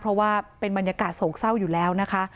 เพราะว่าเป็นบรรยากาศโศกเศร้าอยู่แล้วนะคะ